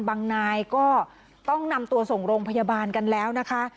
นายก็ต้องนำตัวส่งโรงพยาบาลกันแล้วนะคะ